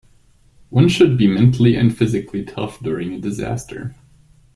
One should be mentally and physically tough during a disaster.